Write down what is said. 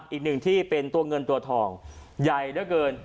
อีกหนึ่งที่เป็นตัวเงินตัวทองใหญ่เหลือเกิน